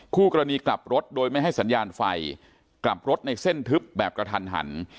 คู่กรณีกลับรถโดยไม่ให้สัญญาณไฟกลับรถในเส้นทึบแบบกระทันหัน